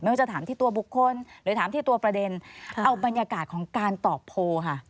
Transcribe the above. ว่าจะถามที่ตัวบุคคลหรือถามที่ตัวประเด็นเอาบรรยากาศของการตอบโพลค่ะ